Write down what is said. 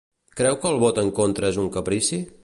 Creu que el vot en contra és un caprici?